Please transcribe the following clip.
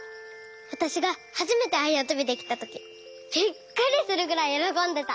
わたしがはじめてあやとびできたときびっくりするぐらいよろこんでた。